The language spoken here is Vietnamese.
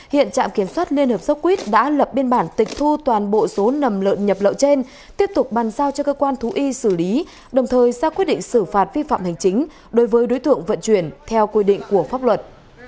hiện trạm kiểm soát liên hợp sốt huyết đã lập biên bản tịch thu toàn bộ số nầm lợn nhập lậu trên tiếp tục bàn giao cho cơ quan thú y xử lý đồng thời ra quyết định xử phạt vi phạm hành chính đối với đối tượng vận chuyển theo quy định của pháp luật